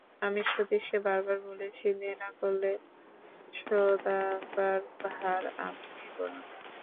আমি সতীশকে বার বার বলেছি, দেনা করলে শোধবার ভার আমি নেব না।